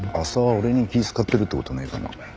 俺に気ぃ使ってるって事ねえかな？